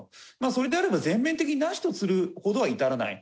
それであれば全面的になしとするほどは至らない。